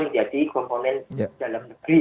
menjadi komponen dalam negeri